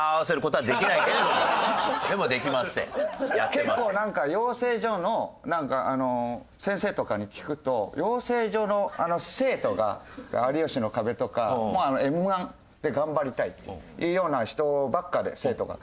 結構養成所の先生とかに聞くと養成所の生徒が『有吉の壁』とかＭ−１で頑張りたいっていうような人ばっかで生徒が。